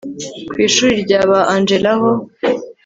kwishuri ryaba angella ho